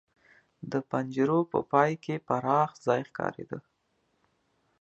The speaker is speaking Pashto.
د پنجرو په پای کې پراخ ځای ښکارېده.